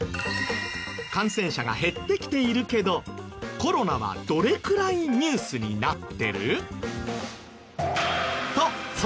感染者が減ってきているけどコロナはどれくらいニュースになってる？